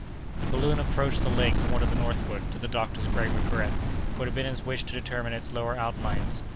The balloon approached the lake more to the northward, to the doctor's great regret, for it had been his wish to determine its lower outlines.